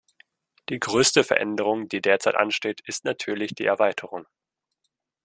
Die größte Veränderung, die derzeit ansteht, ist natürlich die Erweiterung.